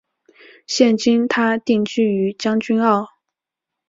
现今她定居于将军澳。